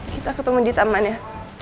kita ketemu di taman ya